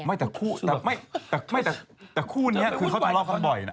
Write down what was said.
แต่คู่นี้คือเขาทะเลาะกันบ่อยนะ